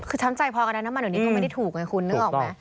คือช้ำใจพอกันนะน้ำมันเดี๋ยวนี้ก็ไม่ได้ถูกไงคุณนึกออกไหม